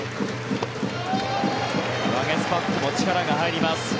ワゲスパックも力が入ります。